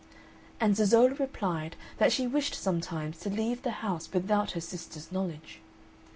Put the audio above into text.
And Zezolla replied that she wished sometimes to leave the house without her sisters' knowledge.